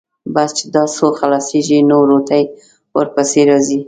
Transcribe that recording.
بس چې دا څو خلاصېږي، نو روټۍ ورپسې راځي.